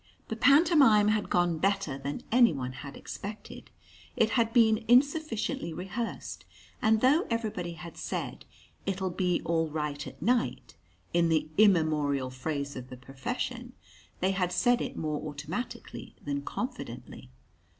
The pantomime had gone better than anyone had expected. It had been insufficiently rehearsed, and though everybody had said "it'll be all right at night" in the immemorial phrase of the profession they had said it more automatically than confidently.